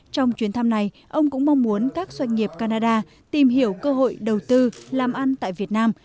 trong chuyến thăm này ông cũng mong muốn các doanh nghiệp canada tìm hiểu cơ hội đầu tư làm ăn tại việt nam